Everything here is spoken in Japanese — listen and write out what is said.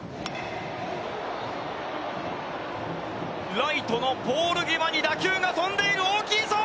ライトのポール際に打球が飛んでいる大きいぞ！